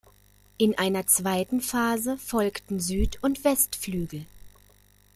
In einer zweiten Phase folgten Süd- und Westflügel.